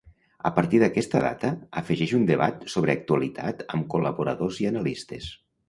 A partir d'aquesta data afegeix un debat sobre actualitat amb col·laboradors i analistes.